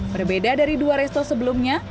berbeda dari dua resto sebelumnya